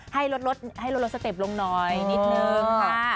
ให้ลดสเต็ปลงหน่อยนิดนึงค่ะ